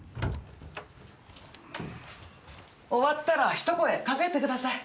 終わったら一声かけてください。